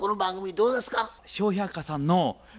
そうですか。